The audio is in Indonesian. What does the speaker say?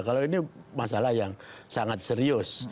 kalau ini masalah yang sangat serius